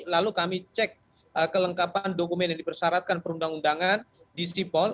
lalu kami cek kelengkapan dokumen yang dipersyaratkan perundang undangan di sipol